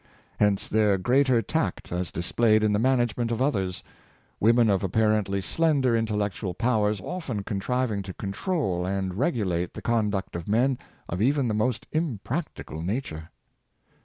Hence their greater tact as displayed in the management of others, women of apparently slender intellectual powers often contriving to control and regu late the conduct of men of even the most impracticable nature.